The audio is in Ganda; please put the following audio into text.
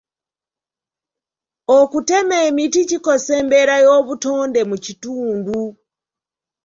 Okutema emiti kikosa embeera y'obutonde mu kitundu.